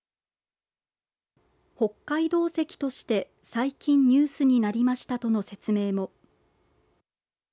北海道石として最近ニュースになりましたとの説明も。